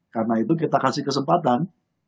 karena itu kita kasih kesempatan